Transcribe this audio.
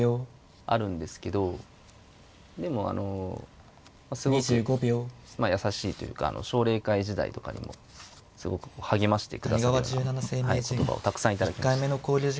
でもあのすごく優しいというか奨励会時代とかにもすごく励ましてくださるような言葉をたくさん頂きました。